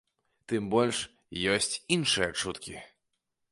Тым больш, ёсць іншыя чуткі.